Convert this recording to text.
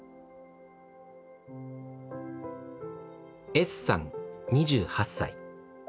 エスさん２８歳。